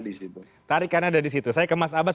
disitu tarikannya ada disitu saya ke mas abas